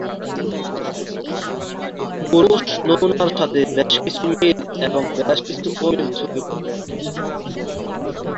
পুরুষ নমুনা সাথে বেশ কিছু মিল এবং বেশ অমিল চোখে পড়ে।